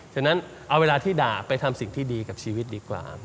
ฉะนั้นเอาเวลาที่ด่าไปทำสิ่งที่ดีกับชีวิตดีกว่า